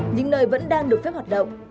những nơi vẫn đang được phép hoạt động